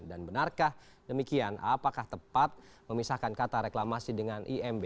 dan benarkah demikian apakah tepat memisahkan kata reklamasi dengan imb